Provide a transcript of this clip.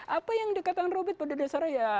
apa yang dikatakan roby pada dasarnya ya